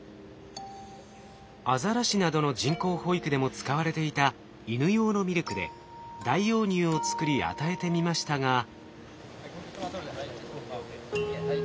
アザラシなどの人工哺育でも使われていたイヌ用のミルクで代用乳を作り与えてみましたが。